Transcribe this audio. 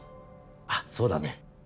あっそうだね。